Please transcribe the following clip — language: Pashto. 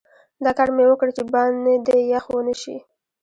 دا کار مې وکړ چې باندې یخ ونه شي.